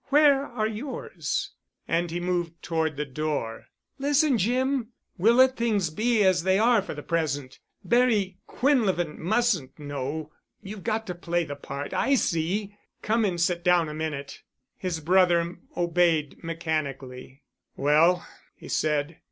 "Where are yours?" And he moved toward the door. "Listen, Jim. We'll let things be as they are for the present. Barry Quinlevin mustn't know—you've got to play the part. I see. Come and sit down a minute." His brother obeyed mechanically. "Well," he said.